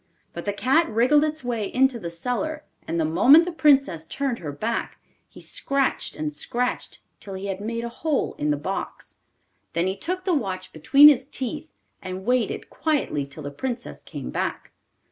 But the cat wriggled its way into the cellar, and the moment the Princess turned her back, he scratched and scratched till he had made a hole in the box. Then he took the watch between his teeth, and waited quietly till the Princess came back.